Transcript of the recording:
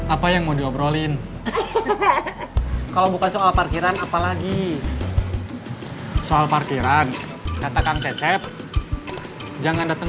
apa yang mau diobrolin kalau bukan soal parkiran apalagi soal parkiran kata kang cecep jangan datang